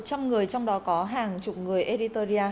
hơn một trăm linh người trong đó có hàng chục người eritrea